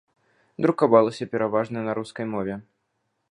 Друкавалася пераважна на рускай мове.